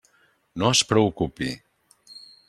No es preocupi.